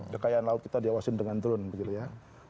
kekayaan laut kita diawasin dengan drone begitu ya